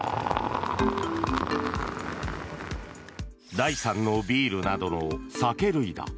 第３のビールなどの酒類だ。